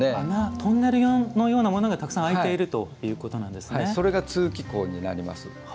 トンネルのようなものがたくさんあいているそれが通気口になります。